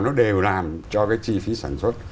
nó đều làm cho cái chi phí sản xuất